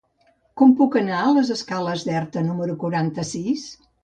Com puc anar a les escales d'Erta número quaranta-sis?